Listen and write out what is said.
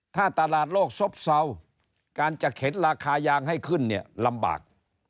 ถ้าตลาดโลกซบเศร้าการจะเข็นราคายางให้ขึ้นเนี่ยลำบาก